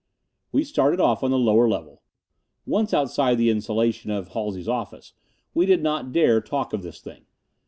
We started off on the lower level. Once outside the insulation of Halsey's office we did not dare talk of this thing.